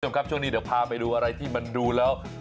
คุณผู้ชมครับช่วงนี้เดี๋ยวพาไปดูอะไรที่มันดูแล้ว